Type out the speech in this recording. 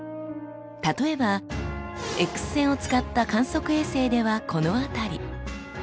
例えばＸ線を使った観測衛星ではこの辺り。